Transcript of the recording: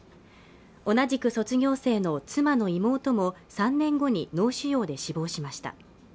同じく卒業生の妻の妹も３年後に脳腫瘍で死亡しました